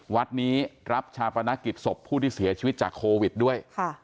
วัดนี้รับชาปนกิจศพผู้ที่เสียชีวิตจากโควิดด้วย